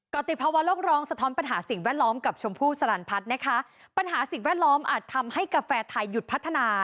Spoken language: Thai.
ติภาวะโลกร้องสะท้อนปัญหาสิ่งแวดล้อมกับชมพู่สลันพัฒน์นะคะปัญหาสิ่งแวดล้อมอาจทำให้กาแฟไทยหยุดพัฒนา